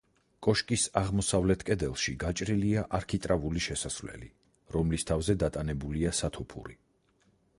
კოშკის აღმოსავლეთ კედელში გაჭრილია არქიტრავული შესასვლელი, რომლის თავზე დატანებულია სათოფური.